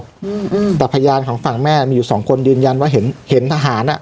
อืมอืมแต่พยานของฝั่งแม่มีอยู่สองคนยืนยันว่าเห็นเห็นทหารอ่ะ